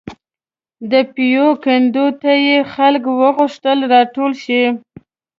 د پېوې کنډو ته یې خلک وغوښتل راټول شي.